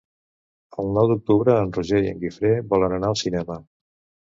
El nou d'octubre en Roger i en Guifré volen anar al cinema.